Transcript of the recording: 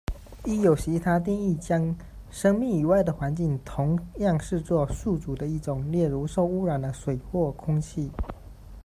亦有其他定义将生物以外的环境同样视作宿主的一种，例如：受污染的水或空气。